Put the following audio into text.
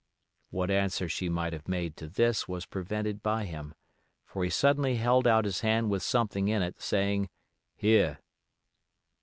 What answer she might have made to this was prevented by him; for he suddenly held out his hand with something in it, saying, "Here."